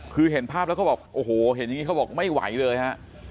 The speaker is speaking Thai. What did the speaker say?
คือเห็นภาพแล้วก็บอกโอ้โหเห็นอย่างนี้เขาบอกไม่ไหวเลยฮะ